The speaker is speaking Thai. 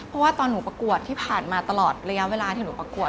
เพราะว่าตอนหนูประกวดที่ผ่านมาตลอดระยะเวลาที่หนูประกวด